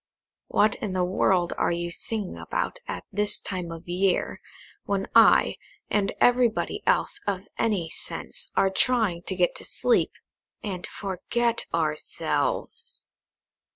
"What in the world are you singing about at this time of year, when I, and everybody else of any sense, are trying to go to sleep, and forget ourselves?"